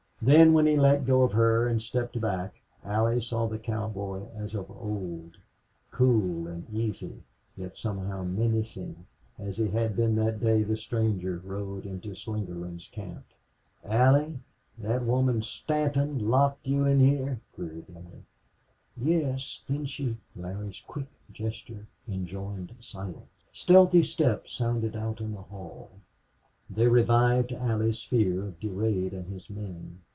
Then, when he let go of her and stepped back Allie saw the cowboy as of old, cool and easy, yet somehow menacing, as he had been that day the strangers rode into Slingerland's camp. "Allie thet woman Stanton locked you in heah?" queried Larry. "Yes. Then she " Larry's quick gesture enjoined silence. Stealthy steps sounded out in the hall. They revived Allie's fear of Durade and his men.